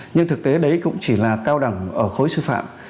nhưng thực tế đấy cũng chỉ là cao đẳng ở khối sư phạm